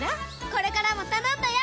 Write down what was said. これからも頼んだよ！